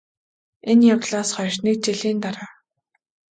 энэ явдлаас хойш НЭГ жилийн дараа